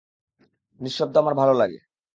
নিঃশব্দ আমার ভালো লাগে।